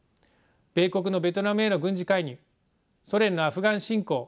米国のベトナムへの軍事介入ソ連のアフガン侵攻